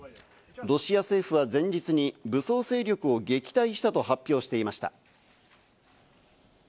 ロシア政府は前日に武装勢力を撃退したと発表していました。